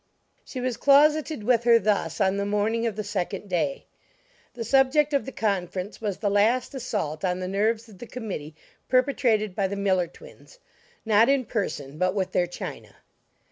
She was closeted with her thus on the morning of the second day. The subject of the conference was the last assault on the nerves of the committee, perpetrated by the Miller twins not in person, but with their china.